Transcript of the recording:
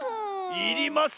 いります。